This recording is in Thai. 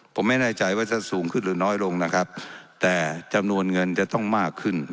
ผมไม่แน่ใจว่าจะสูงขึ้นหรือน้อยลงนะครับแต่จำนวนเงินจะต้องมากขึ้น